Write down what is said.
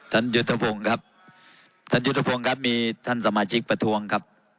ท่านยุทธภงครับท่านยุทธภงครับมีท่านสมาชิกประทวงครับ